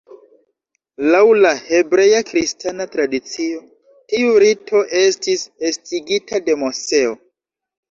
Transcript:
Laŭ la hebrea-kristana tradicio, tiu rito estis estigita de Moseo.